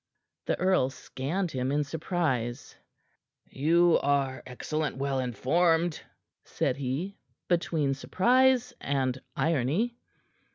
The earl scanned him in surprise. "You are excellent well informed," said he, between surprise and irony.